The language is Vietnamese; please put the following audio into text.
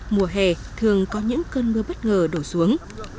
mùa hè thường có những cơn mưa bất ngờ đổ xuống